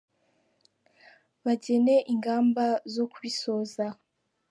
Bagene ingamba zo kubisoza.